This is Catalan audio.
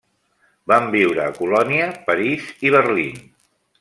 Van viure a Colònia, París i Berlín.